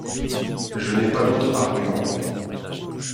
Je n’ai pas d’autre argument.